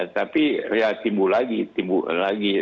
tapi ya timbul lagi